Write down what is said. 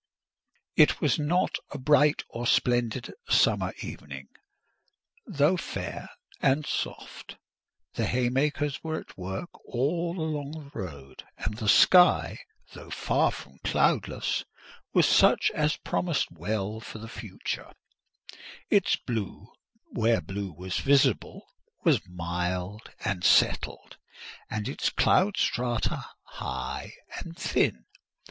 It was not a bright or splendid summer evening, though fair and soft: the haymakers were at work all along the road; and the sky, though far from cloudless, was such as promised well for the future: its blue—where blue was visible—was mild and settled, and its cloud strata high and thin.